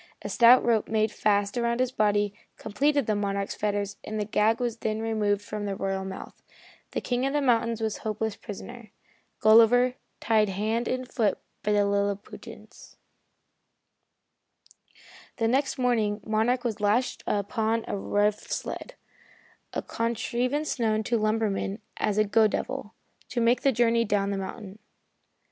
A stout rope made fast about his body completed the Monarch's fetters and the gag was then removed from the royal mouth. The King of the mountains was a hopeless prisoner Gulliver, tied hand and foot by the Lilliputians. The next morning Monarch was lashed upon a rough sled a contrivance known to lumbermen as a "go devil" to make the journey down the mountain.